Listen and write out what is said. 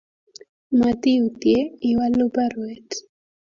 Matiutye iwalu baruet